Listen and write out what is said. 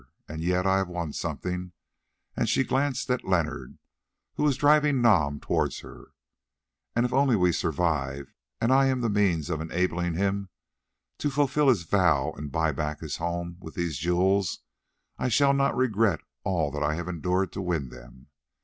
And yet I have won something," and she glanced at Leonard who was driving Nam towards her, "and if only we survive and I am the means of enabling him to fulfil his vow and buy back his home with these jewels, I shall not regret all that I have endured to win them.